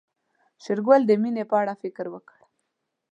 شېرګل د مينې په اړه فکر وکړ.